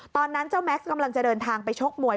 ตอนนั้นเจ้าแม็กซ์กำลังจะเดินทางไปชกมวย